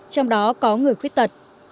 trong đó có người khuyết tật